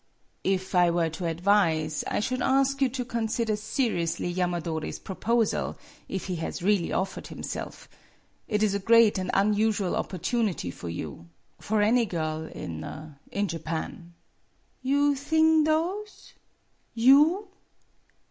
" If I were to advise, I should ask you to consider seriously Yamadori's proposal, if he has really offered himself. It is a great and unusual opportunity for you for any girl in in Japan." " You thing those ? You